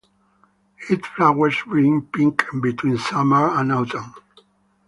It flowers bright pink between summer and autumn.